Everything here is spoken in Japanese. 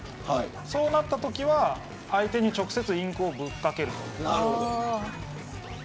そうなったときには相手に直接インクをぶっ掛ける。